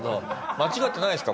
間違ってないですか？